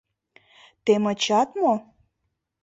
— Темычат мо?